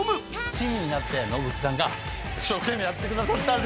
親身になってノブフキさんが一生懸命やってくださったので。